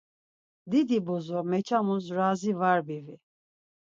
Didi bozo meçamus razi var bivi.